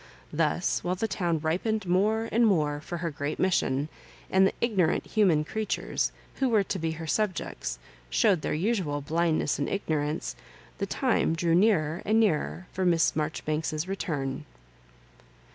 Thus, while the town ripened more and more for her great mission, and the ignorant human creatures, who were to be her subjects, showed their usual blindness and ignorance, the time drew nearer and nearer for Miss Maijoribanks's return.